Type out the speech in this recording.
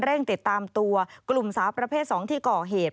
ติดตามตัวกลุ่มสาวประเภท๒ที่ก่อเหตุ